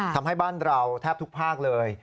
ทำให้บ้านเราแทบทุกภาคเลย